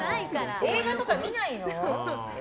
映画とか見ないの？